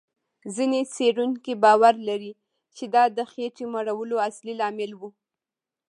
ځینې څېړونکي باور لري، چې دا د خېټې مړولو اصلي لامل و.